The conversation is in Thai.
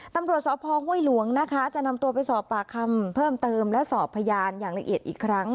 ตำรวจสพห้วยหลวงนะคะจะนำตัวไปสอบปากคำเพิ่มเติมและสอบพยานอย่างละเอียดอีกครั้ง